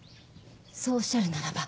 そうおっしゃるならば。